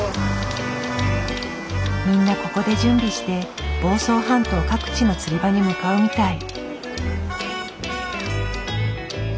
みんなここで準備して房総半島各地の釣り場に向かうみたい。